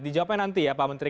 dijawabkan nanti ya pak menteri